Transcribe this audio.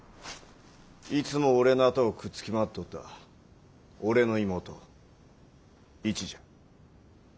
いつも俺のあとをくっつき回っておった俺の妹市じゃ。